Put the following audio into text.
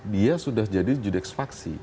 dia sudah jadi judeks faksi